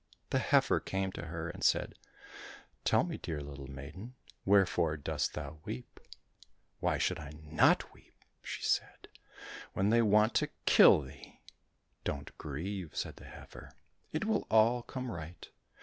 The heifer came to her and said, " Tell me, dear little maiden, wherefore dost thou weep ?"—" Why should I not weep," she said, " when they want to kill thee ?"—" Don't grieve," said the heifer, '' it will all come right.